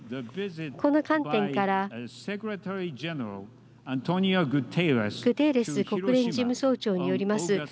この観点からグテーレス国連事務総長によります